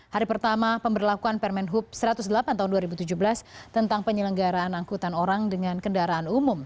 hari pertama pemberlakuan permen hub satu ratus delapan tahun dua ribu tujuh belas tentang penyelenggaraan angkutan orang dengan kendaraan umum